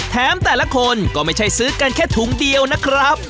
แต่ละคนก็ไม่ใช่ซื้อกันแค่ถุงเดียวนะครับ